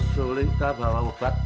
sudikah bawa obat